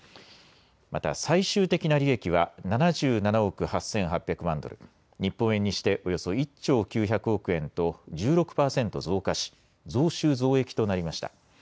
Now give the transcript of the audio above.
また最終的な利益は７７億８８００万ドル、日本円にしておよそ１兆９００億円と１６％増加し増収増益となりました。